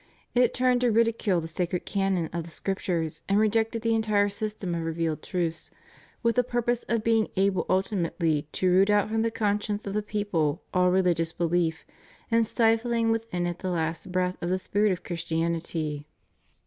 It turned to ridicule the sacred canon of the Scriptures and rejected the entire system of revealed truths, with the purpose of being able ultimately to root out from the conscience of the people all religious behef and stifling within it the last breath of the spirit of Christianity.